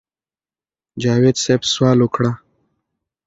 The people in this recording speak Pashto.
جاوېد صېب سوال وکړۀ